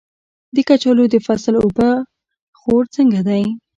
د کچالو د فصل اوبه خور څنګه دی؟